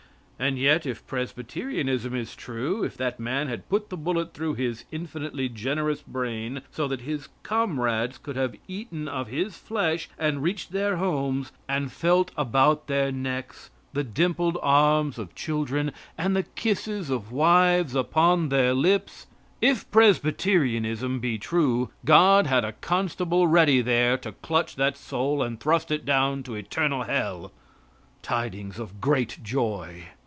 And yet if Presbyterianism is true; if that man had put the bullet through his infinitely generous brain so that his comrades could have eaten of his flesh and reached their homes and felt about their necks the dimpled arms of children and the kisses of wives upon their lips if Presbyterianism be true, God had a constable ready there to clutch that soul and thrust it down to eternal hell. Tidings of great joy.